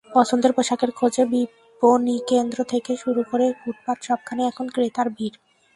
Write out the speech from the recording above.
পছন্দের পোশাকের খোঁজে বিপণিকেন্দ্র থেকে শুরু করে ফুটপাত সবখানেই এখন ক্রেতার ভিড়।